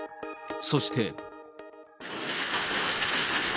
そして。